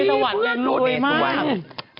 คุณเมเมสวรรค์เล่นรวยมาก